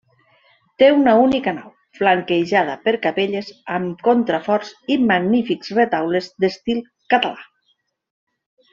Té una única nau, flanquejada per capelles amb contraforts i magnífics retaules d'estil català.